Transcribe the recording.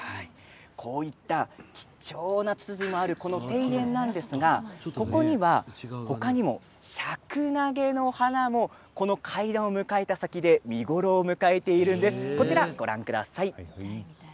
こういった貴重なツツジもある庭園なんですが、ここには他にもシャクナゲの花もこの階段の先で見頃を迎えているんです。